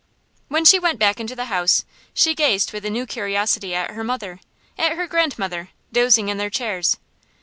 When she went back into the house, she gazed with a new curiosity at her mother, at her grandmother, dozing in their chairs.